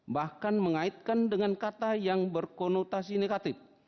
bahkan mengaitkan dengan kata yang berkonotasi negatif